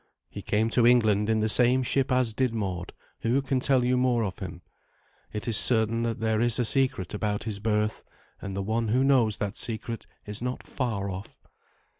He came to England in the same ship as did Mord, who can tell you more of him. It is certain that there is a secret about his birth, and the one who knows that secret is not far off.